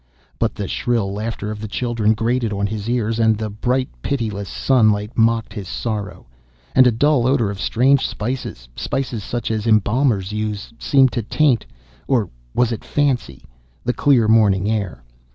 But the shrill laughter of the children grated on his ears, and the bright pitiless sunlight mocked his sorrow, and a dull odour of strange spices, spices such as embalmers use, seemed to taint—or was it fancy?—the clear morning air.